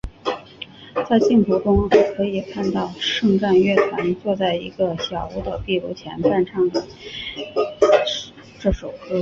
在镜头中还可以看到圣战乐团坐在一个小屋的壁炉前伴唱这首歌曲。